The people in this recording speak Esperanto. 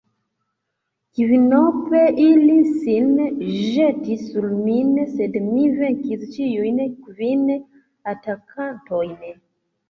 Kvinope ili sin ĵetis sur min, sed mi venkis ĉiujn kvin atakantojn.